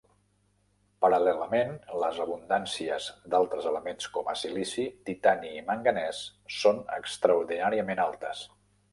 Paral·lelament, les abundàncies d'altres elements com a silici, titani i manganès, són extraordinàriament altes.